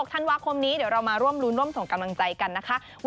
ธันวาคมนี้เดี๋ยวเรามาร่วมรุ้นร่วมส่งกำลังใจกันนะคะ